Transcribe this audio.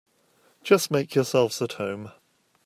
Just make yourselves at home.